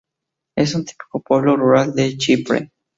Es un típico pueblo rural de Chipre.